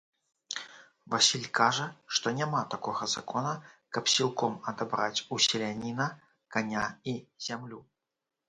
Васіль кажа, што няма такога закона, каб сілком адабраць у селяніна каня і зямлю.